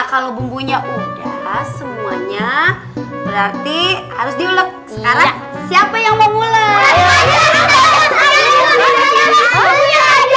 kalau bumbunya udah semuanya berarti harus diulek sekarang siapa yang mau mulai